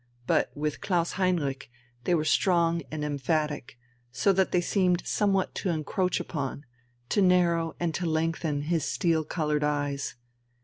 But with Klaus Heinrich they were strong and emphatic, so that they seemed somewhat to encroach upon, to narrow and to lengthen his steel coloured eyes.